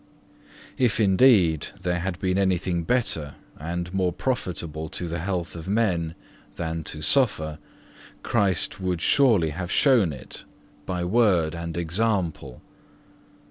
15. If indeed there had been anything better and more profitable to the health of men than to suffer, Christ would surely have shown it by word and example.